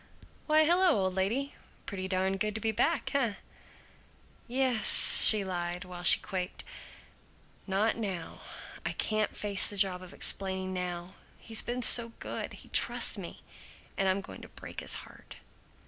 "Why, hello, old lady! Pretty darn good to be back, eh?" "Yes," she lied, while she quaked, "Not now. I can't face the job of explaining now. He's been so good. He trusts me. And I'm going to break his heart!"